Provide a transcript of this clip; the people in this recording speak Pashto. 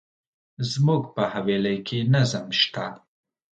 زموږ په حویلی کي نظم شته.